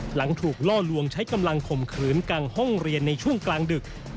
หลังถูกล่อลวงใช้กำลังข่มขืนกลางห้องเรียนในช่วงกลางดึก